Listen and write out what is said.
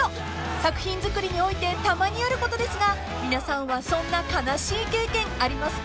［作品づくりにおいてたまにあることですが皆さんはそんな悲しい経験ありますか？］